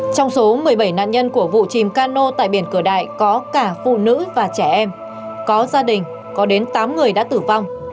trong số một mươi bảy nạn nhân của vụ chìm cano tại biển cửa đại có cả phụ nữ và trẻ em có gia đình có đến tám người đã tử vong